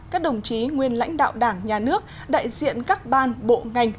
các đồng chí nguyên lãnh đạo đảng nhà nước đại diện các ban bộ ngành